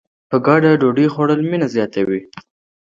په ګډه ډوډۍ خوړل مینه زیاتوي.